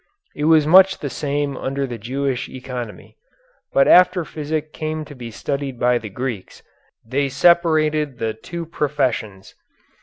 It was much the same under the Jewish economy. But after physic came to be studied by the Greeks, they separated the two professions.